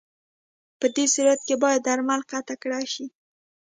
پدې صورت کې باید درمل قطع کړای شي.